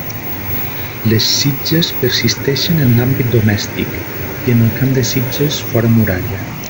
Les sitges persisteixen en l'àmbit domèstic i en el camp de sitges fora muralla.